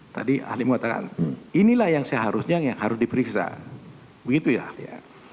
tadi ahli mengatakan inilah yang seharusnya yang harus diperiksa begitu ya ahli